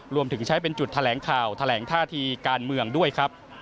รวมถึงใช้เป็นจุดแถลงข่าวแถลงท่าทีการเมืองด้วยครับ